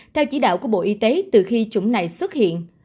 theo chỉ đạo của bộ y tế từ khi chủng này xuất hiện